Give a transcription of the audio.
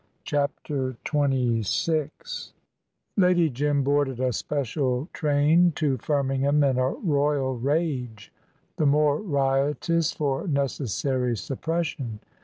CHAPTER XXVI Lady Jim boarded a special train to Firmingham in a royal rage, the more riotous for necessary suppression.